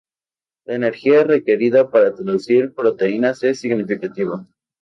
La energía requerida para traducir proteínas es significativa.